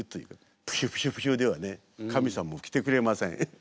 プシュプシュプシュではね神様も来てくれません。